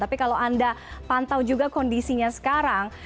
tapi kalau anda pantau juga kondisinya sekarang